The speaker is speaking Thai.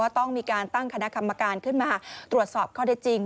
ต้องมีการตั้งคณะกรรมการขึ้นมาตรวจสอบข้อได้จริง